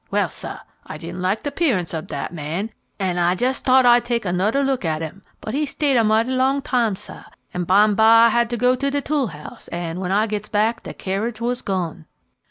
Well, sah, I didn't like de 'pearance ob dat man, an' I jes' t'ought I'd get anoder look at 'im, but he stayed a mighty long time, sah, an' bime'by I had to go to de tool house, an' when I gets back the kerridge was gone."